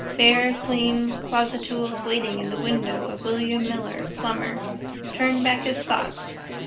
Bare clean closestools waiting in the window of William Miller, plumber, turned back his thoughts.